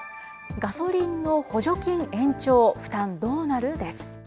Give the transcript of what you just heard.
ガソリンの補助金延長負担どうなる？です。